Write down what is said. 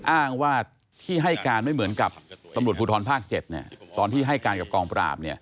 อ้างว่าที่ให้การไม่เหมือนกับตำรวจภูทรภาค๗ตอนที่ให้การกับกองปราบ